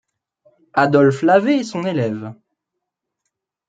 Adolphe Lavée est son élève.